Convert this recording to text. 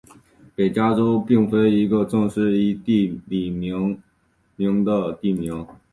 北加州并非一个正式依地理命名的地名。